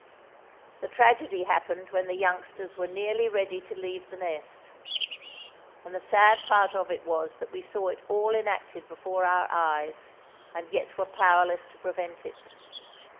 The tragedy happened when the youngsters were nearly ready to leave the nest. And the sad part of it was that we saw it all enacted before our eyes, and yet were powerless to prevent it.